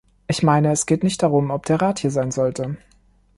Ich meine, es geht nicht darum, ob der Rat hier sein sollte.